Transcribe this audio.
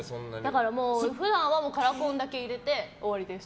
だから、普段はカラコンだけ入れて終わりです。